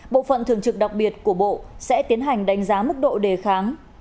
bộ phận thường trực đặc biệt của bộ sẽ tiến hành đánh giá mức độ đề kháng